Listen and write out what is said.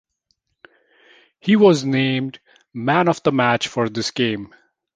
He was named Man of the Match for this game.